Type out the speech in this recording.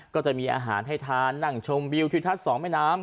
ก็จะมีอาหารให้ทานนั่งชมวิวทิวทัศน์สองแม่น้ำ